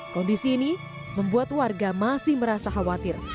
kondisi ini membuat warga masih merasa khawatir